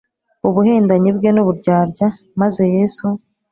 ubuhendanyi bwe n’uburyarya, maze [Yesu]